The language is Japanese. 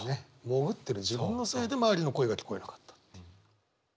潜ってる自分のせいで周りの声が聞こえなかったっていう。